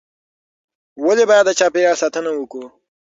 ولې باید د چاپیریال ساتنه وکړو؟